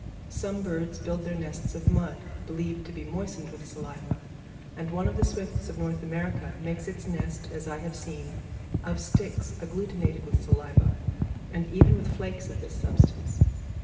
Some birds build their nests of mud, believed to be moistened with saliva; and one of the swifts of North America makes its nest (as I have seen) of sticks agglutinated with saliva, and even with flakes of this substance.